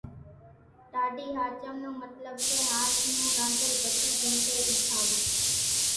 ٽاڍي ۿاچم نون مطلٻ سي ۿانز نون رانڌل ڀسي جھون سي اِي کاوون